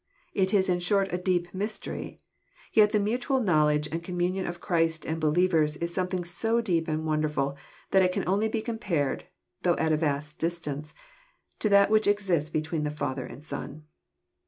It is in short a deep mystery. Yet the mutual knowledge and com munion of Christ and believers is something so deep and won derful that it can only be compared, thougb at a vast distance, to that which exists l3etween the Father and the Son.